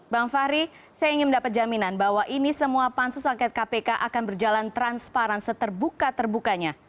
bang fahri saya ingin mendapat jaminan bahwa ini semua pansus angket kpk akan berjalan transparan seterbuka terbukanya